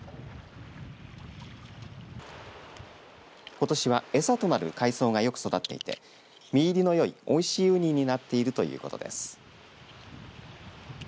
ことしは餌となる海草が良く育っていて身入りのよいおいしいうにになっているということです。